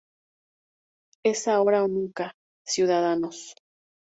Es ahora o nunca, ciudadanos.